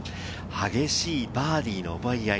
激しいバーディーの奪い合い。